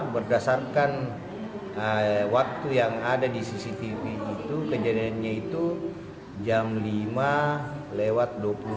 berdasarkan waktu yang ada di cctv itu kejadiannya itu jam lima lewat dua puluh satu